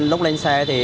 lúc lên xe thì